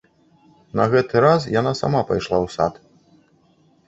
На гэты раз яна сама пайшла ў сад.